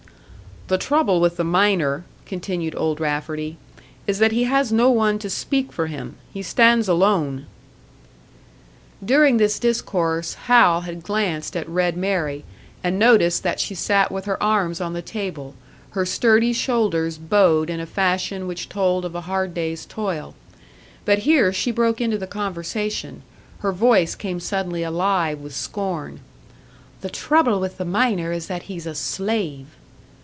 "The trouble with the miner," continued Old Rafferty, "is that he has no one to speak for him. He stands alone " During this discourse, Hal had glanced at "Red Mary," and noticed that she sat with her arms on the table, her sturdy shoulders bowed in a fashion which told of a hard day's toil. But here she broke into the conversation; her voice came suddenly, alive with scorn: "The trouble with the miner is that he's a _slave!